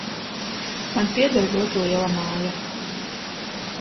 Man pieder ļoti liela māja.